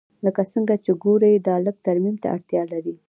لکه څنګه چې ګورې دا لږ ترمیم ته اړتیا لري